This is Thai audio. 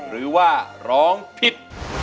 หรือว่าร้องผิด